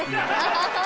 ハハハハ！